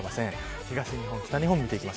東日本、北日本です。